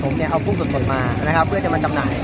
สวัสดีครับทุกคนวันนี้เกิดขึ้นเกิดขึ้นทุกวันนี้นะครับ